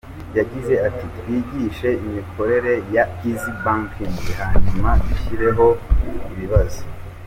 Yagize ati “Twigishije imikorere ya Eazzy Banking, hanyuma dushyiraho ibibazo.